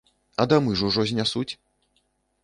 А дамы ж ужо знясуць!